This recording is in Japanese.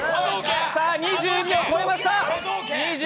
２２を超えました。